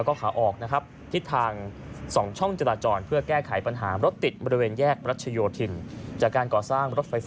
ก็เป็นทางอุโมงทางลอด